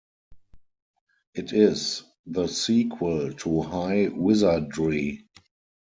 It is the sequel to "High Wizardry".